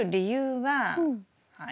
はい。